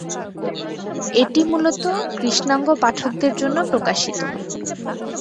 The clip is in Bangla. এটি মূলত কৃষ্ণাঙ্গ পাঠকদের জন্য প্রকাশিত।